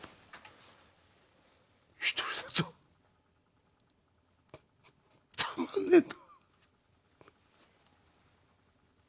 一人だとたまんねえんだ